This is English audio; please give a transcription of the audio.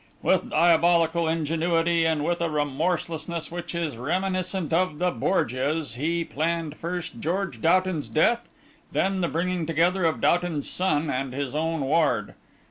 "With diabolical ingenuity and with a remorselessness which is reminiscent of the Borgias he planned first George Doughton's death, and then the bringing together of Doughton's son and his own ward.